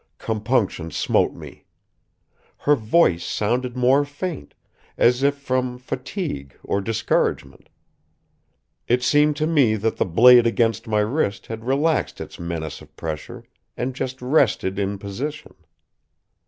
Compunction smote me. Her voice sounded more faint, as if from fatigue or discouragement. It seemed to me that the blade against my wrist had relaxed its menace of pressure and just rested in position.